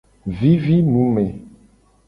Vivi nu me.